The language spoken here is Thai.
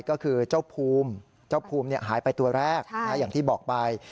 ก็คือเจ้าภูมิเจ้าภูมิหายไปตัวแรกอย่างที่บอกไป